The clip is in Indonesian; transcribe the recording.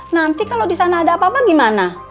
nanti kalau di sana ada apa apa gimana